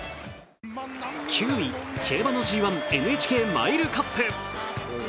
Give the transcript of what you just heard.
９位、競馬のＧⅠ、ＮＨＫマイルカップ。